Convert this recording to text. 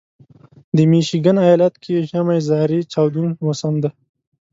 د میشیګن ایالت کې ژمی زارې چاودون موسم دی.